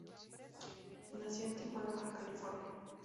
Nació en Tijuana, Baja California.